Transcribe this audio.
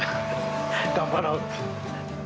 頑張ろう。